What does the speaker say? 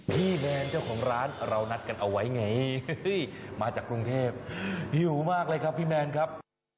พี่แมนเจ้าของร้านเรานัดกันเอาไว้ไงมาจากกรุงเทพหิวมากเลยครับพี่แมนครับ